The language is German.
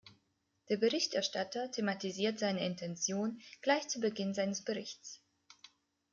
Der Berichterstatter thematisiert seine Intention gleich zu Beginn seines Berichts.